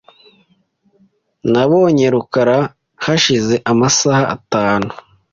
Nabonye rukara hashize amasaha atatu .